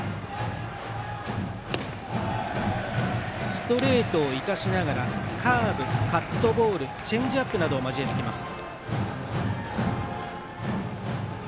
ストレートを生かしながらカーブ、カットボールチェンジアップなどを交えてきます。